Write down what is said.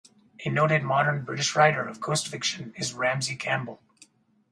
A noted modern British writer of ghost fiction is Ramsey Campbell.